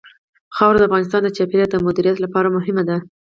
خاوره د افغانستان د چاپیریال د مدیریت لپاره مهم دي.